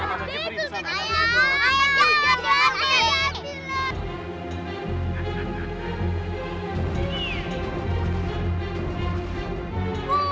kok mereka enggak ada cipang di belakang